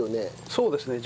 そうですね。